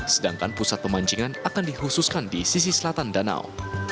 sedangkan pusat pemancingan akan dikhususkan di sisi selatan danau